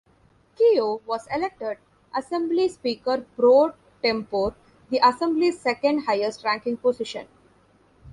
Kehoe was elected Assembly Speaker pro Tempore, the Assembly's second highest-ranking position.